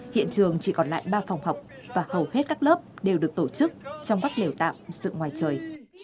hiện trường chỉ còn lại ba phòng học và hầu hết các lớp đều được tổ chức trong các lều tạm sự ngoài trời